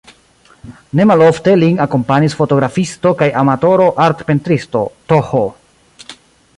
Ne malofte lin akompanis fotografisto kaj amatoro-artpentristo Th.